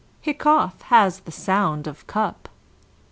Hiccough has the sound of "cup"......